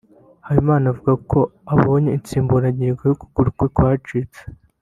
Habimana avuga ko abonye insimburangigo y’ ukuguru kwe kwacitse